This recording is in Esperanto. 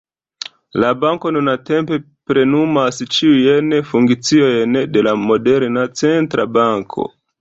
La banko nuntempe plenumas ĉiujn funkciojn de moderna centra banko.